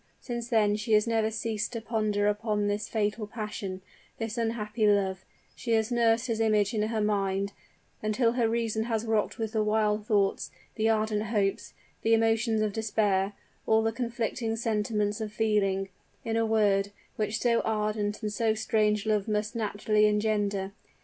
Since then she has never ceased to ponder upon this fatal passion this unhappy love; she has nursed his image in her mind, until her reason has rocked with the wild thoughts, the ardent hopes, the emotions of despair all the conflicting sentiments of feeling, in a word, which so ardent and so strange a love must naturally engender.